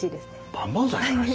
万々歳じゃないですか。